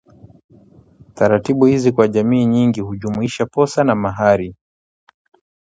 Taratibu hizi kwa jamii nyingi hujumuisha posa na mahari